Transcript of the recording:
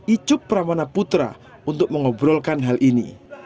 icup pramana putra untuk mengobrolkan hal ini